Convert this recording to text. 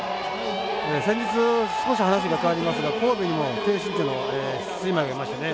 先日少し話が変わりますが神戸にも低身長のスイマーがいましてね。